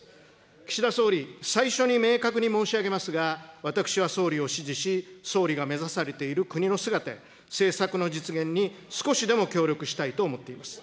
岸田総理、最初に明確に申し上げますが、私は総理を支持し、総理が目指されている国の姿や政策の実現に少しでも協力したいと思っています。